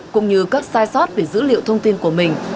cũng như các sai sót về dữ liệu thông tin của mình